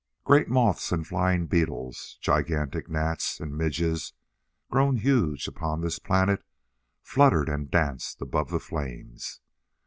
Great moths and flying beetles, gigantic gnats and midges grown huge upon this planet, fluttered and danced above the flames.